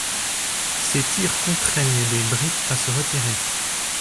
Ces tirs contraignent les bricks à se retirer.